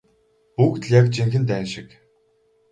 Бүгд яг л жинхэнэ дайн шиг.